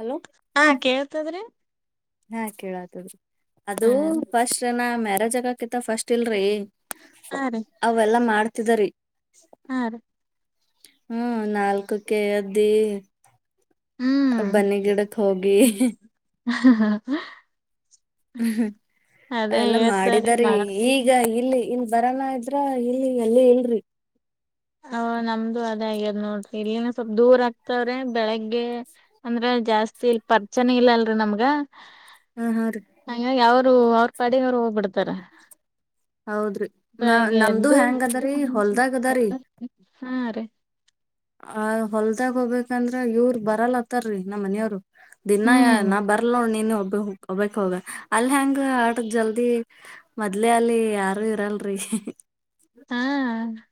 Hello ಹಾ ಕೇಳ್ತದ್ರಿ ಹಾ ಕೇಳತದ್ರಿ ಹಾ ಅದು ರೀ ಫಸ್ಟ್ ನ ಮ್ಯಾರೇಜ್ ಆಗಕ ಫಸ್ಟ್ ಇಲ್ರಿ ಹಾ ಅವೆಲ್ಲಾ ಮಾಡ್ತಿದ್ದ ರಿ ಯಾರು ಹ್ಮ್ ನಾಲ್ಕಕ್ಕೆ ಏದ್ದಿ ಹ್ಮ್ ಬನ್ನಿ ಗಿಡಕ್ ಹೋಗಿ [unintelligible] ಹ್ಮ್ ಅದೇ ಎಲ್ಲ ಹೇಳ್ತಾರೀ ಮಾಡಿದಾರಿ ಈಗ ಇಲ್ಲಿ ಇ ಬರನ ಇದ್ರ ಇಲ್ಲಿ ಎಲ್ಲಿ ಇಲ್ರಿ ಹ ನಮ್ದು ಅದೇ ಆಗ್ಯದ್ ನೋಡ್ರಿ ಇಲ್ಲಿನ ಸ್ವಲ್ಪ ದೂರ ಆಗ್ತವ್ರೆ ಬೆಳಿಗ್ಗೆ ಅಂದ್ರೆ ಜಾಸ್ತಿ ಇಲ್ ಪರ್ಚನೆ ಇಲ್ಲ ಅಲ್ರರಿ ನಮ್ಗ- ಹಾ ಹಾ ರೀ ಅವ್ರು ಅವ್ರ ಪಾಡಿಗ್ ಅವ್ರು ಹೋಗ್ಬಿಡ್ತಾರ. ಹೌದ್ರಿ [unintelligible] ನಾ ನಮ್ದು ಎದ್ದು ಹೆಂಗ ಅದರಿ ಹೊಲ್ದಾಗ ಅದರಿ ಹಾ ರೀ ಆ ಹೊಲ್ದಾಗ ಹೋಗಬೇಕಂದ್ರೆ ಇವ್ರ ಬರಲ್ತಾರಿ ನಮ್ಮ್ ಮನೆಯವ್ರು. ದಿನಾ ಹ್ಮ್ ನಾ ಬರ್ಲೋ ನೋಡ್ ನಿ- - [unintelligible] ಅಲ್ ಹೆಂಗ ಆಟದ್ ಜಲ್ದಿ ಮೊದ್ಲೆೇ ಅಲ್ಲಿ ಯಾರು ಇರಲ್ರಿ ಹ ಹ್ಮ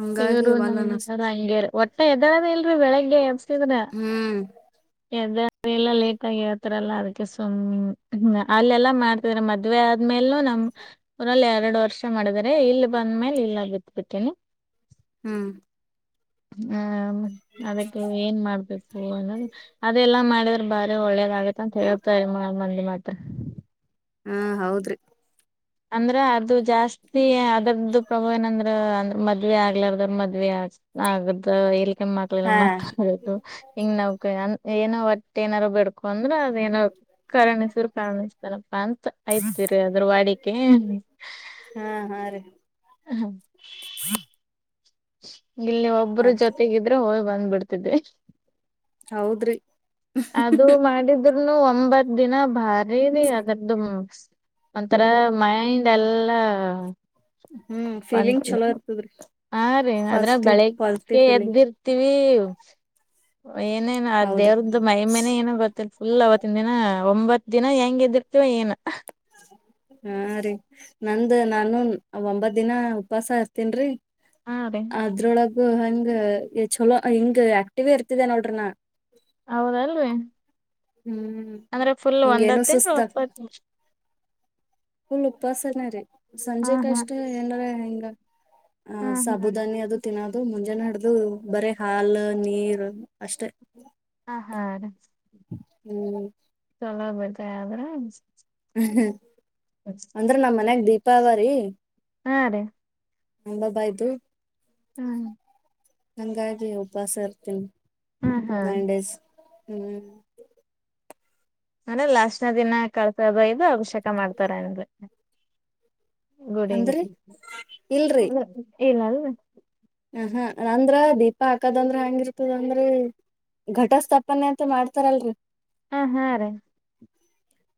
ಹಂಗಾಗಿ ಇವರು ವಲ್ ಅನಸ್ [unintelligible] ಒಟ್ಟೆ ಎದ್ದಳದ್ ಇಲ್ರಿ ಬೆಳಿಗ್ಗೆ ಎಬ್ಸಿದ್ರ ಹ್ಮ್ [unintelligible] ಲೇಟಾಗಿ - - [unintelligible] ಅದಕ್ಕೆ ಸುಮ್ ಅಲ್ಲೆಲ್ಲಾ ಮಾಡ್ತಿದ್ರ ಮದ್ವೆ ಆದ್ಮೇಲೂ ನಮ್ಮೂರಲ್ - - ಎರಡು ವರ್ಷ ಮಾಡಿದ್ರರೆ ಇಲ್ ಬಂದ್ಮೇಲೆ ಇಲ್ಲ ಬಿತ್ ಬಿಡ್ತೀನಿ. ಹ್ಮ್ ಹ್ಮ ಅದಕ್ಕೆ ಏನ್ ಮಾಡ್ಬೇಕು ಅದೆಲ್ಲಾ ಮಾಡ ಬಾರಿ ಒಳ್ಳೇದ ಆಗತ್ ಅಂತ ಹೇಳ್ತಾರೆ ಮಂದಿ ಮತ್ತ. ಹಾ ಹೌದ್ರಿ ಅಂದ್ರ ಅದು ಜಾಸ್ತಿ ಅದ್ರದ್ದು ಪ್ರಭಾವ ಏನಂದ್ರ ಅಂದ ಮದ್ವೆ ಆಗ್ಲಾರದ್ರ ಮದ್ವಿ ಆಗ್ ಆಗುತ್ತಾ [unintelligible] ಕೆ ಮಾಡ್ಲಿಲ್ಲ ಹಾ ಮತಾದು ಹಿಂಗ ನಾವ್ ಏನೋ ಒಟ್ಟೆ ಏನಾರು ಬೇಡ್. ಬಂದ್ರ ಅದೇನೋ ಕರಿಣಿಸ್ರ ಕಣಿಸ್ತನಪ್ಪಾ ಅಂತ ಐತಿರಿ ಅದ್ರ ವಾಡಿ ಹಾ ಹಾ ರೀ [unintelligible] ಇಲ್ಲಿ ಒಬ್ರು ಅದ್ ಜೊತೆಗಿದ್ರೆ ಹೋಗ್ ಬಂದ್ಬಿಡ್ತಿದ್ದೆ ಹೌದ್ರಿ ಅದು ಮಾಡಿದ್ರನು ಒಂಬತ್ ದಿನ. ಅದೆರಿ ಅದ್ರದ್ದು ಒಂಥರ ಮೈಂಡ್ ಎಲ್ಲಾ ಹ್ಮ್ ಬಂತ ಫೀಲಿಂಗ್ ಚಲೋ ಇರ್ತದ್ರಿ ಹಾ ರೀ ಅದ್ರ ಪಾಸಿಟಿವ್ ಪಾಸಿಟಿವ್ ಬೆಳಗ್ಗೆ ಫೀಲಿಂಗ್ ಎದ್ದಿರ್ತೀವಿ - - ಏನೇನು ಅ ಹೌದ್ರಿ ದೇವ್ರದು ಮೈಹಿಮೆನೊ ಏನೋ ಗೊತ್ತಿಲ್ಲ ಇಲ್ಲ ಅವತ್ತಿನ್ ದಿನ ಒಂಬತ್ ದಿನ ಹೆಂಗ್ ಎದ್ದಿರ್ತಿವ ಏನೂ ಹಾ ರಿ ನಂದ ನಾನು ಒಂಬತ್ ದಿನ ಉಪವಾಸ ಇರ್ತೀನ್ ರಿ ಹಾ ರೀ ಅದ್ರೊಳಗ್ ಹೂ ಹಂಗ ಚಲೋ ಹಿಂಗ್ ಆಕ್ಟಿವ್ ಇರ್ತಿದೆ ನೋಡ್ರಿನಾ. ಹೌದಲ್ರಿ ಹ್ಮ್ ಅಂದ್ರೆ ಫುಲ್ ಒಂದ ಹಿಂಗೇನು ತಿಗ್ಳು ಒಪ್ಪತ್ತು ನಿಮಿ ಪುಲ್ ಉಪಾಸನೆ ರೀ ಸಂಜೆ ಹಾ ಕಷ್ಟ ಏನಾರ ಹಿಂಗ ಆ ಹಾ ಹಾ ಸಾಬೂುದಾನಿ ಅದು ತಿನ್ನೋದು ಮುಂಜಾನೆ ಹಡ್ದ ಇದು ಬರೆ ಹಾಲು ನೀರು ಅಷ್ಟೇ. ಆ ಹಾ ಹ್ಮ್ [unintelligible] ಬರ್ತ ಆದ್ರೆ ಹ್ಮ ಅಂದ್ರೆ ನಮ್ಮ್ ಮನ್ಯಾಗ ದೀಪಾ ಅದವ್ರಿ ಹಾ ರೀ ಹ್ಮ್ [unintelligible] ಅಂಗಾಗಿ ಉಪವಾಸ ಇರ್ತೀನಿ ಹ್ಮ ಹಾ ನೈನ್ ಡೇಸ್ ಹ್ಮ್ ಅಂದ್ರ ಲಾಸ್ಟ್ನ ದಿನ ಕಳ್ಸದು ಇದು ಅಭಿಷೇಕ ಮಾಡ್ತಾರೆ ಅಂ ಗುಡಿಗೆ ಅಂದ್ರಿ ಅ ಇಲ್ಲಲ್ಲ. ಹ ಹಾ ಅಂದ್ರ ದೀಪಾ ಹಾಕದಂದ್ರ ಹೆಂಗಿರ್ತದಂದ್ರೆ ಘಟ ಸ್ಥಾಪನೆ ಅಂತ ಮಾಡ್ತಾರಲ್ರರಿ. ಹ ಹಾ ರೀ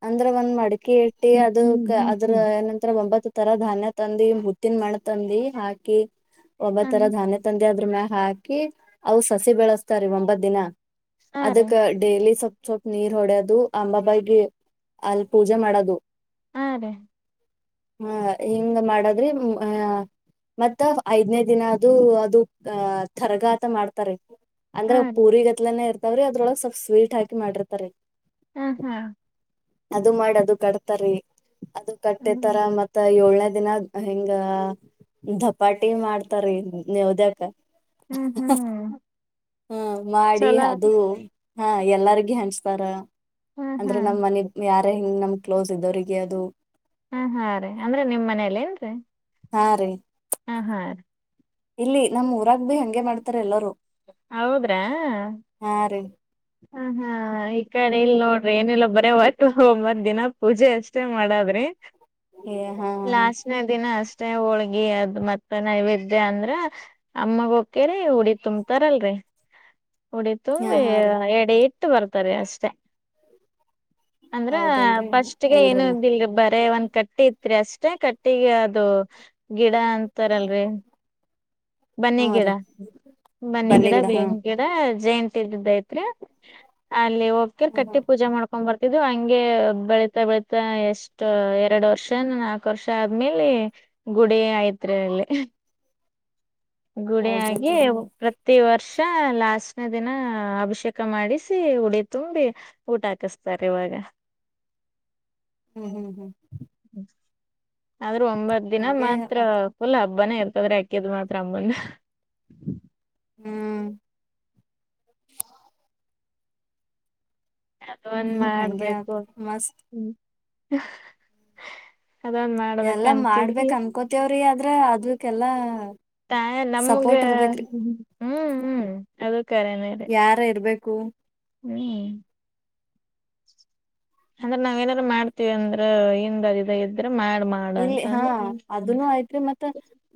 ಅಂದ್ರ ಒಂದ್ ಮಡಕೆ ಇಟ್ಟಿ ಹ್ಮ್ ಅದು ಹ್ಮ್ ಅದ್ರ ಹ್ಮ್ ಏನಂತರ ಒಂಬತ್ ತರ ಧಾನ್ಯ ತಂದಿ ಮುತ್ತಿನ ಮಣ ತಂದಿ ಹಾಕಿ ಒಬ್ಬ ಹ್ಮ್ ತರ ಹ್ಮ್ ಧಾನ್ಯ ತಂದಿ ಅದ್ರ ಮ್ಯ ಹಾಕಿ ಅವು ಸಸಿ ಬೆಳೆಸ್ತಾರಿ ಒಂಬತ್ ದಿನ. ಹಾ ರೀ ಅದಕ್ಕ ಡೇಲಿ ಸೊಲ್ಪ್ ಸೊಲ್ಪ್ ನೀರ್ ಹೊಡ್ಯೋದು ಅಂಬಾಬೖ ಅಲ್ ಪೂಜೆ ಮಾಡದು. ಹಾ ರೀ ಹಾ ಹಿಂಗ ಮಾಡದ್ರೆ ಹಾ ಮತ್ತ ಅದ್ ಐದನೇ ದಿನ ಅದೂ ಅದು ಅ ತರಗಾತ ಮಾಡ್ತಾರೆ. ಅಂದ್ರ ಹಾ ರೀ ಪೂರಿ ಗತ್ಲನೆೇ ಇರ್ತವ್ರಿ ಅದ್ರೊಳಗೆ ಸ್ವಲ್ಪ್ ಸ್ವೀಟ್ ಹಾಕಿ ಮಾಡಿರ್ತರಿ. ಹ್ಮ್ ಹ್ಮ್ ಅದು ಮಾಡಿ ಅದು ಕಟ್ತಾರಿ ಅದು ಕಟ್ಟೆ ಹ್ಮ್ ತರ ಮತ್ತ ಏಳೇದ ದಿನ ಹಿಂಗ ದಪಾಟಿ ಮಾಡ್ತಾರಿ ನೆವದ್ಯಕ. ಹ್ಮ್ ಹ್ಮ್ ಹ್ಮ ಮಾಡಿ ಚಲೋ ರೀ ಅದು ಹಾ ಎಲ್ಲಾರ್ಗ ಹಂಚ್ತಾರ ಹಾ ಹಾ ಅಂದ್ರೆ ನಮ್ಮ್ ಮನೆ ಯಾರೆ ಹಿಂಗ್ ನಮ್ ಕ್ಲೋಸ್ ಇದವರಿಗೆ ಅದು ಹ ಹಾ ರೀ ಅಂದ್ರೆ ನಿಮ್ ಮನೇಲ್ಲೇನ್ರಿ? ಹಾ ರೀ ಹ ಹಾ ಇಲ್ಲಿ ನಮ್ ಊರಾಗ ಬಿ ಹಂಗೆ ಮಾಡ್ತಾರೆ ಎಲ್ಲರು. ಹೌದ್ರಾ ರೀ ಹ ಹಾ ಈ ಕಡೆ ಇಲ್ ನೋ ಅ ಏನಿಲ್ಲೊ ಬರ ಹೊತ್ ಒಂಬತ್ ದಿನ ಪೂಜೆ ಅಷ್ಟೇ ಮಾಡದ್ರಿ. ಏ ಹಾ ಹಾ ಲಾಸ್ಟ್ನೆ ದಿನ ಅಷ್ಟ ಯಿ ಹೋಳ್ಗಿ ಅದು ಮತ್ತೆ ನೈವೇದ್ಯ ಅಂದ್ರ ಅಮ್ಮಗ ಹೊಕ್ಯರಿ ಉಡಿ ತುಂಬ್ ತರಲ್ರಿ ಹಾ ಉಡಿತುಂಬಿ ಹಾ ರೀ ಎಡೆ ಇಟ್ ಇಟ್ಟ ಬರ್ತಾರೆ ಅಷ್ಟೇ. ಅಂದ್ರ ಹೌದೇನ್ರಿ ಫಸ್ಟ್ ಗೆ ಇಲ್ರಿ ಏನೂ ಇದಿಲ್ರಿ ಬರೆ ಒಂದ್ ಕಟ್ಟಿ ಇತ್ರಿ ಅಷ್ಟೇ ಕಟ್ಟ್ ಟ್ಟಿಗೆ ಅದು ಗಿಡ ಅಂತಾರಲ್ರಿ ಬನ್ನಿ ಹಾ ಗಿಡ ರೀ ಬನ್ನಿ ಗಿಡ ಬೇವಿನ್ ಗಿಡ ಜೇಂತ್ ತಿರ್ದಿದ್ ಆಯ್ತ್ರಿ ಅಲ್ಲಿ ಹೋಗ್ತರ್ ಹ್ಮ್ ಕಟ್ಟಿ ಹ್ಮ್ ಪೂಜೆ ಮಾಡ್ಕೊಂಡ್ ಬರ್ ಇದು ಹಂಗೆ ಬೆಳಿತಾ ಬೆಳಿತಾ ಎಷ್ಟು ಎರಡು ವರ್ಷನೊ ನಾಲ್ಕು ವರ್ಷ ಆದ್ಮೇಲೆ ಗುಡಿ ಆಯ್ತ್ ರಿ ಅಲ್ಲಿ. ಗುಡಿಯಾಗಿ ಹೌದೇನ್ರಿ ಪ್ರತಿ ವರ್ಷ್ ಲಾಸ್ಟ್ನೆ ದಿನ ಅಭಿಷೇಕ ಮಾಡಿಸಿ ಉಡಿ ತುಂಬಿ ಊಟ ಹಾಕಿಸ್ತಾರೆ ಇವಾಗ. ಹ್ಮ್ ಹ್ಮ್ ಹ್ಮ್ ಆದ್ರೂ ಒಂಬತ್ ದಿನ ಹಂಗೆ ಮಾತ್ರ ಆತ್ ಫುಲ್ ಹಬ್ಬ. ಹಬ್ಬನೇ ಇರ್ತದ್ರೆ ಅಕ್ಕಿದ್ ಮಾತ್ರ ಅಮ್ಮನ್ ಹ್ಮ್ ಅದೊಂದ್ ಹಂಗೆ ಮಾಡ್ಬೇಕು ಆತ್ ಮಸ್ತ್ ಹ್ಮ. ಎಲ್ಲಾ ಮಾಡ್ಬೇಕ್ ಅನ್ಕೋತೇವ್ರಿ ಆದ್ರ ಅದ್ವಿಕ್ಕೆಲ್ಲಾ ತಾಯ ನಮಗ ಯಾರ ಇರ್ಬೇಕು ಹ್ಮ್ ಅಂದ್ರೆ ನಾವ್ ಏನಾರು ಮಾಡ್ತೀವಿ ಅಂದ್ರ ಹಿಂದ ಹರಿದೆಯಿದ್ದ್ ಇಲ್ಲಿ ಹಾ ಅದನೂ ಆಯ್ತ್ರಿ ಮತ್ತ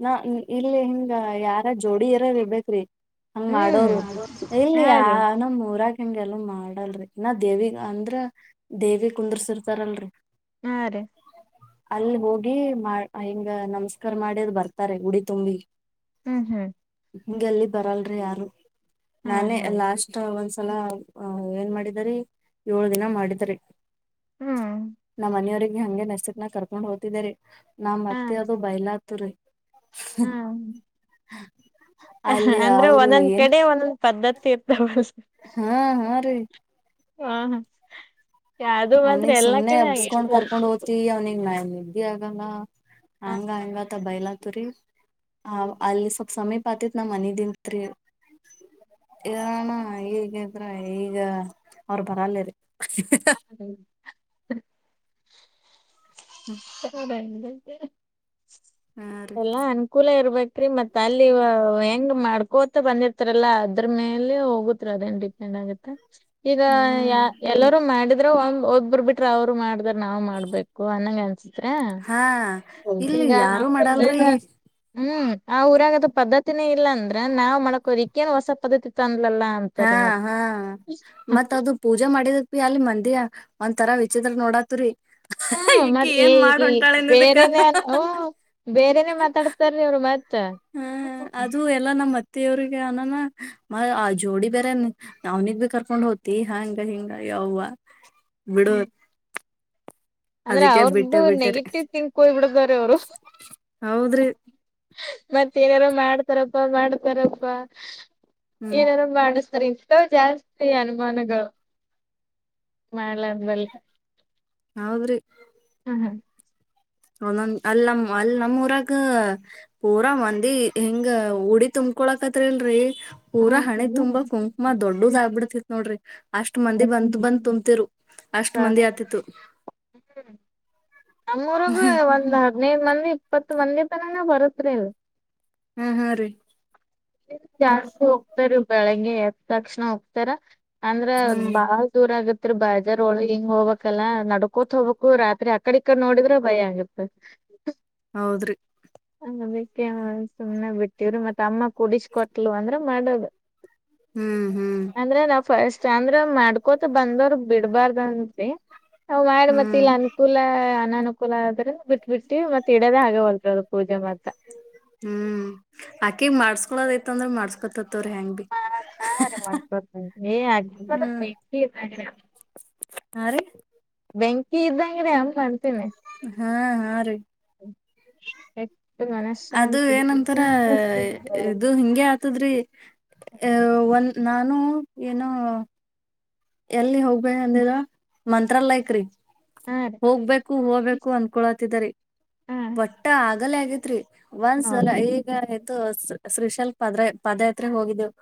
ನಾ ಇಲ್ಲಿ ಹಿಂಗ ಯಾರ ಜೋಡಿ ಯಾರರ್ ಇರ್ಬೇಕ್ರಿ. ಹಂಗ ಹ್ಮ್ ಮಾಡೋರು ಇಲ್ಲಿ ಹಾ ಆ ರೀ ನಮ್ಮ್ ಊರಗ್ ಹಂಗೆಲ್ಲ ಮಾಡಲ್ರಿ ಇನ್ನ ದೇವಿ ಅಂದ್ರ ದೇವಿ ಕುಂದರ್ಸಿರ್ತಾರಲ್ರಿ. ಹಾ ರೀ ಅಲ್ಲಿ ಹೋಗಿ ಹಿಂಗ ನಮಸ್ಕಾರ ಮಾಡ್ಯದು್ ಬರ್ತಾರೆ ಉಡಿ ತುಂಬಿ ಹ್ಮ್ ಹ್ಮ್ ಹಿಂಗೆ ಎಲ್ಲಿ ಬರಲ್ರಿ ಯಾರು ಹ್ಮ್ ನಾನೇ ಹ್ಮ್ ಲಾಸ್ಟ್ ಒಂದ್ಸಲ ಏನ್ ಮಾಡಿದರಿ ಏಳು ದಿನ ಮಾಡಿದರಿ ಹ್ಮ್ ನಮ್ಮ ಮನೆಯವ್ರಿಗೆ ಹಂಗೆ ನೆಸ್ಸತ್ನ ಕರ್ಕೊಂಡ್ ಹೋಗ್ತರಿ ನಾ್ ಮತ್ತೆ ಅದು ಬಯಲಾತ್ ರೀ ಹ್ಮ ಅಲ್ಲಿ ಅಂದ್ರೆ ಅವ್ರು ಒಂದೊಂದ್ ಏನ್ ಕಡೆ ಒಂದೊಂದ್ ಪದ್ಧತಿ ಇರ್ತಾವ ಹಾ ಹಾ ರೀ ಹಾ ಅವ್ನಿಗ್ ಸುಮ್ನೆ ಅಬ್ಸ್ಕೊಂಡ್ ಕರ್ಕೊಂಡ್ ಹೋಗ್ತತಿವಿ ಅವನಿಗ್ ನ ಆಗಂಗ ಹಂಗ ಹಂಗತ ಬಯಲಾ ರಿ ಆ ಅಲ್ಲಿ ಸ್ವಲ್ ಸಮಯಪಾತಿತ್ ನಾವ್ ಮನದತ್ ಏನಣ್ಣ ಈಗಿದ್ರ ಈಗ ಅವ್ರ ಬರಲ್ಲರಿ ಹ ಬ ಹಾ ರೀ ಎಲ್ಲ ಅನುಕೂಲ ಇರ್ಬೇಕೇರಿ ಮತ್ತತ್ ಅಲ್ಲಿ ಹೆಂಗ ಮಾಡ್ ಕೋತಾ ಬಂದಿರ್ತಾರಲ್ಲಾ ಅದ್ರ ಮೇಲೆ ಹೋಗತ್ ಅದೇನ್ ಡಿಪೆಂಡ್ ಆಗುತ್ತೆ ಈಗ ಹ್ಮ್ ಎಲ್ಲಾರೂ ಮಾಡಿದ್ರ ಒ ಒದ್ಬರ್ ಬಿಟ್ರ ಅವ್ರು ಮಾಡ ನಾವ್ ಮಾಡ್ಬೇಕು ಅನ್ನಂಗ ಅನ್ಸಿದ ಹಾ ಇಲ್ಲಿ ಗ ಯಾರು ಮಾಡಲ್ರಿ ಹ್ಮ್ ಆ ಊರಾಗದ ಪದ್ದತಿನೇ ಇಲ್ಲ ಅಂದ್ರೆ ನಾವ್ ಮಾಡ್ಕೋದಿಕ್ಕೇನ್ ಹೊಸ ಪದ್ದತಿ ತ ಹಾ ಹಾ ಮತ್ತ ಅದು ಪೂಜೆ ಮಾಡಿದಕ್ ಬಿ ಅಲ್ಲಿ ಮಂದಿರ ಒಂದ ತರ ವಿಚತ್ರ್ರ ನೋಡತ್ರಿ ಹ್ಮ್ ಈಕ ಮತ್ತ್ ಏ ಏನ್ ಮಾಡ ಈ ಉಂಟಾಳೆಲ್ಲಿದಕ್ಕ ಬೇರೆನೆ ಹ್ಮ್ ಬೇರೆನೆ ಮಾತಾಡ್ತಾರ್ರಿ ಅವ್ರು ಮತ್ತ. ಹ್ಮ ಅದು ಎಲ್ಲ ನಮ್ಮ್ತ್ ಅವ್ರಿಗೆ ಅನಾನ ಮ ಆ ಜೋಡಿ ಬೇರೆ ಅವ್ನಿಗ್ ಭ ಕರ್ಕೊಂಡ್ ಹೋಗ್ತಿ ಹಾಂಗ ಹಿಂಗ ಹೌವಾ ಬಿಡೋದು ಅಂದ್ರೆ ಅವ್ರ್ದ ನೆಗೆಟಿವ್ ತಿಥಂಕ್ ಹೋಗ್ಬಿಡತಾರ ಅವರು ಹೌದ್ರಿ ಮತ್ತ ಏನಾರು ಮಾಡ್ತಾರಪ್ಪ ಮಾಡ್ತಾರಪ್ಪಾ ಹ್ಮ್ ಏನಾರು ಮಾಡ ಇಷ್ಟ ಜಾಸ್ತಿ ಅನುಮಾನಗಳು ಮಾಡ್ಲಂದ್ಮಲ್ಲ ಅವರು ಹ್ಮ ಹ್ಮ ಒಂದೊಂದ್ ಅಲ್ ನಮ ಅಲ್ ನಮ್ಮೂಊರಾಗ ಪೂರಾ ಮಂದಿ ಹೆಂಗ ಉಡಿ ತುಂಬ ಕುಕೊಳಕತ್ರಿಲ್ರರಿ ಪೂರಾ ಹಣೆ ತುಂಬಾ ಕುಂಕುಮ ದೊಡ್ಡದ ಆಗ್ಬಿಡ್ತಿತ್ ನೋಡ್ರಿ ಅಷ್ಟ ಮಂದಿ ಬಂದ ಬಂದ್ ತುಂಬ್ತಿರು ಅಷ್ಟ್ ಮಂದಿ ಆತಿತ್ತು ಹ್ಞ ನಮ್ಮೂ್ರಗೂ ಒಂದು ಹದಿನೈದು ಮಂದಿ ಇಪ್ಪತ್ ಒಂದೇ ತನಕ ಬರುತ್ ಅಲ್ ಹ್ಮ್ ಹಾ ರೀ ಜಾಸ್ತಿ ಹೋಗ್ತಾರ ಬೆಳಗ್ಗೆ ಎದ ತಕ್ಷಣ ಹೋಗ್ತಾರ ಅಂದ್ರ ಹ್ಮ್ ಬಾಳ ದೂರ ಆಗುತ್ತೆ ಬಾಜಾರ್ ಒಳ ಹಿಂಗ್ ಹೋಗ್ಬೇಕಲ್ಲಾ ನಡ್ಕೋತ್ ಹೋಗ್ಬೇಕು ರಾತ್ರಿ ಅಕಡ ಇಕ್ಕಡ್ ನೋಡಿದ್ರ ಭಯ ಆಗತ್ ಹೌದ್ರಿ ಅದಕ್ಕೆ ಸುಮ್ನೆ ಬಿಟ್ಟವ್ರು ಮತ್ತ ಅಮ್ಮ ಕುಡಿಸಕೊಟ್ಲು ಅಂದ್ರೆ ಮಾಡೋದು ಹ್ಮ್ ಹ್ಮ್ ಅಂದ್ರೆ ನಾವ್ ಫಸ್ಟ್ ಅಂದ್ರೆ ಮಾಡ್ಕೋತ ಬಂದವರು ಬಿಡ್ಬಾರ್ದಂತ ನಾ ಮಾಡ ಮತ್ತೆ ಹ್ಮ್ ಇಲ್ಲಿ ಅನುಕೂಲ ಅನನುಕೂಲ ಆದ್ರೆ ಬಿಟ್ ಬಿಡ್ತಿವಿ ಮತ್ತೆ ಇಡೋದೆ ಆಗ ಹೊಲ್ ಅದು ಪೂಜೆ ಮಾತ್ರ ದಐ ಅಂದ್ರೆ ಮಾಡಸ್ಕೊತತಿ ತೋರ ಹೆಯಾಂಗ ಮಾಡ್ತಾರಿ ಭ ಮಾಡ್ಕೊತನ್ ಏ ಅದ್ರ ಹ್ಮ್ ಬೆಂಕಿ ಇದ್ದಂಗ್ರಿ ಅಮ್ಮ. ಹಾ ರೀ ಇದ್ದಂಗ್ರ ಅಮ್ ಬ್ತೀನಿ ಹಾ ಹಾ ರೀ ಹ ಅದು ಏನಂತಾರ ಇದು ಹಿಂಗಗೆ ಆತದ್ರಿ ಅ ಒಂದ ನಾನು ಏನೋ ಎಲ್ಲಿ ಹೋಗ ಅಂದರ ಮಂತ್ರಾಲಯಕ ರೀ ಹಾ ರೀ ಹೋಗ್ಬೇಕು ಹೋಗಬೇಕು ಅನ್ಕೊಳತಿದರಿ ಹಾ ಒಟ್ಟ ಆಗಲ ಆಗೇತ್ರಿ ಒಂದ್ಸಲ ಹೌದ ಈಗ ಇು ಶ್ರೀಶಲ್ ಪದ್ರ ಪಾದಯಾತ್ರೆ ಹೋಗಿದ್ದೆವು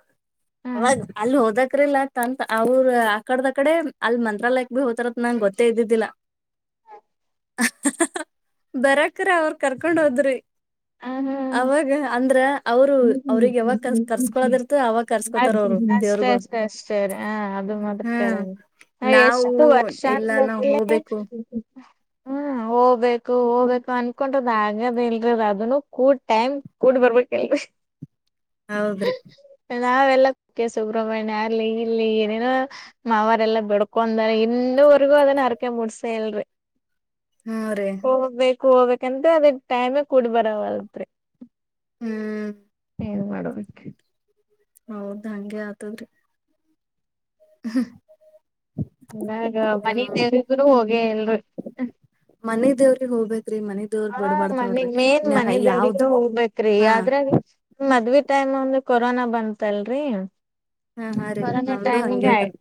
ಹಾ ಅವಾಗ ಅಲ್ಲಿ ಹೋದಕ್ರಲ್ಲತ್ ಅಂತ ಅವ್ರ ಆಕಡದಕಡೆ ಅಲ್ ಮಂತ್ರಾಲಯಕ್ ಭ ಹೋತಾರತ್ ನನ್ ಗೊತ್ತೇ ಇದ್ದಿದ್ದಿಲ್ಲ ಬರಕ್ರ ಅವ್ರ ಕರ್ಕೊಂಡ್ ಹೋದ್ರಿ ಹಾ ಅವಾಗ ಅಂದ್ರ ಅವ್ರು ಅವ್ರಗ್ ಯಾವಾಗ ಕರ್ ಹಾ ಕರ್ಸ್ಕೊಳದಿರ್ತೋ ಅವಾಗ ಅದ್ ಕರ್ಸ್ಕೊತಾರ ಅವ ಅಷ್ಟೇ ಅಷ್ಟೇ ಅಷ್ಟೇ ಹ ಅದು ಮದತಾರೆ ಹ್ಮ್ ಹ ನಾವು ಎಷ್ಟು ವರ್ಷ ಇಲ್ಲ ಅಂದ ನಾವ್ ಹೋಗ್ಬೇಕು ಹ್ಮ್ ಹೋಗ್ಬೇಕು ಹೋಗ್ಬೇಕು ಅನ್ಕೊಂಡಟದ್ ಆಗದ ಇಲ್ರದ ಅದ ಅದ ಕೂಡ್ ಟೈಮ್ ಕೂಡ್ ಬರ್ಬೇಕಲ್ ಹೌದ್ರಿ ನಾವೆಲ್ಲ ಕುಕ್ಕೆ ಸುಬ್ರ್ಮಣ್ಯ ಅರ್ಲಿ ಇಲ್ಲಿ ಏನೇನೋ ಅವರೆಲ್ಲ ಬಿಡ್ಕೊಂಡಾರೆ ಇನ್ನು ಇನ್ನವರ್ಗೂದಾನ ಅರಕ ಮುಡಸ ಹೇಳಲ್ರಿ ಹ್ಮ್ ರೀ ಹೋಗ್ಬೇಕು ಹೋಗ್ಬೇಕಂತ್ರ ಅದ ಟೈಮ ಕೂಡ್ಬರವಲ್ತ್ರಿ ಹ್ಮ್ ಏನ್ ಮಾಡಬೇಕು ಹೌದ ಹಂಗಗೆ ಆತದ್ರಿ ಹ್ಮ ಇಾಗ ಮನೀ ತೇರಿದ ಹೋಗೇ ಎಲ್ರು ಮನಿ ದೇವ್ರಿಗ್ ಹೋಗ್ಬೇಕ್ರಿ ಮನಿ ದೇವ್ರ ಹ ಬಿಡ್ಬಾರ್ದ್ ನೋಡ್ರಿ ಮನೆಗ್ ಮೇನ್ ನ ಮನೆ ದಗ ಯಾವ್ದ್ ಹೋಗ್ಬೇಕೇ್ರಿ ಹಾ ಆದ್ರ ಮದ್ವಿ ಟೈಮ್ ಒಂದು ಕೊರೋನಾ ಬಂತತ್ಲ್ರಿ ಹಾ ಹಾ ರೀ ಕೊರೋನಾ ನಮ್ದು ಟೈಮಂಗ ಹಂಗೆ ಆಗ್ಯದ ಆಯ್ತು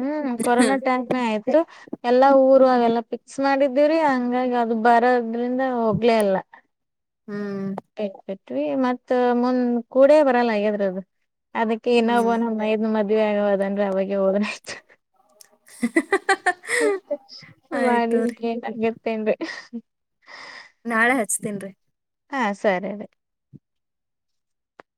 ಹ್ಮ್ ಕೊರೋನಾ ಟೈಮ್ ಆಯ್ತು ಎಲ್ಲಾ ಊರು ಅವೆಲ್ಲಾ ಪಫಿಕ್ಸ್ ಮಾಡಿದ್ದೀವ್ರೀ ಹಂಗಾಗಿ ಅದು ಬರ ಅ್ರಂದ ಹೋಗ್ಲೇ ಅಲ್ಲ ಹ್ಮ್ ಬಟ್ವಿ ಮತ್ತ ಮುಂದ್ ಕೂಡೇ ಬರಲ್ಲ ಹಾಗಗದ್ರದು ಅದಕ್ಕೆ ಇನ್ನೊಬ್ಬ ಹ್ಮ್ ನಮ್ಮ ಮೈದ್ ಮುದ್ವಿ ಆಗವದಂದ್ರೆ ಅವಾಗ ಹದನ ಹ ಮಾಡಿದ ತೋರಿ ಏನ್ಗತ್ತೇನ್ರಿ ನಾಳೆ ಹಚ್ತನ್ರಿೀ ಹಾ ಸರಿ ರ